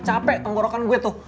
capek tenggorokan gue tuh